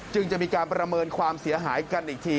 จึงจะมีการประเมินความเสียหายกันอีกที